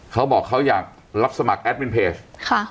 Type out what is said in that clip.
เขาบอกเขาอยากรับสมัครแอดมินเพจค่ะ